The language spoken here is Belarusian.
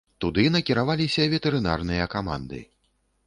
Туды накіраваліся ветэрынарныя каманды.